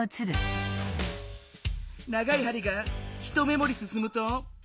長いはりが１目もりすすむと１分！